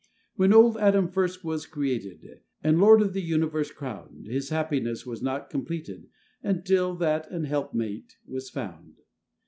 When old Adam first was created, And lord of the universe crowned, His happiness was not completed, Until that an helpmate was found.